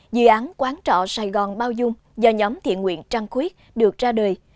dự án quán trọ sài gòn bao dung do nhóm thiện nguyện trăng khuyết được ra đời